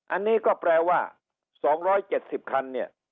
อันนี้ก็แปลว่า๒๗๐คันเนี่ย